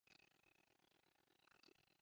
Sykje in wurd.